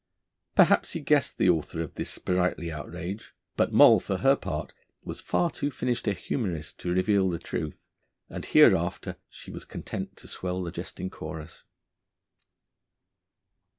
Perhaps he guessed the author of this sprightly outrage; but Moll, for her part, was far too finished a humorist to reveal the truth, and hereafter she was content to swell the jesting chorus.